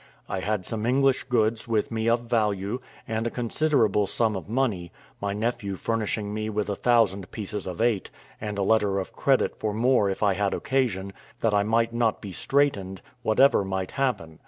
I had some English goods with me of value, and a considerable sum of money; my nephew furnishing me with a thousand pieces of eight, and a letter of credit for more if I had occasion, that I might not be straitened, whatever might happen.